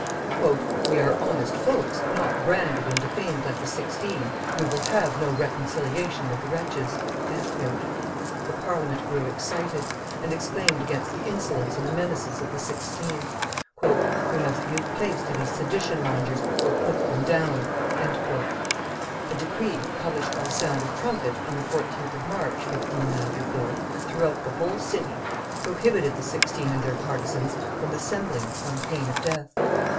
"We are honest folks, not branded and defamed like the Sixteen; we will have no reconciliation with the wretches." The Parliament grew excited, and exclaimed against the insolence and the menaces of the Sixteen. "We must give place to these sedition mongers, or put them down." A decree, published by sound of trumpet on the 14th of March, 1594, throughout the whole city, prohibited the Sixteen and their partisans from assembling on pain of death.